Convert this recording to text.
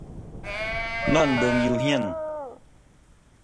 นอนดูอยู่บ้าน